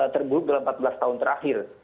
terburuk dalam empat belas tahun terakhir